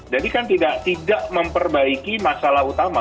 jadi kan tidak memperbaiki masalah utama